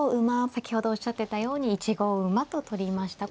先ほどおっしゃってたように１五馬と取りました。